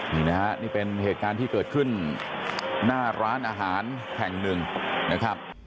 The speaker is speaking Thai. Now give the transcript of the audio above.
นี่นะฮะนี่เป็นเหตุการณ์ที่เกิดขึ้นหน้าร้านอาหารแห่งหนึ่งนะครับ